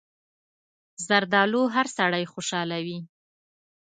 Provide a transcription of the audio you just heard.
زردالو هر سړی خوشحالوي.